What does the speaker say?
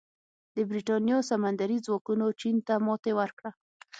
د برېټانیا سمندري ځواکونو چین ته ماتې ورکړه.